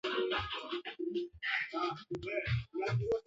katika msururu wa ligi kuu nchini kenya wakati sofapaka fc